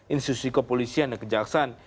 institusi kepolisian dan kenjaksaan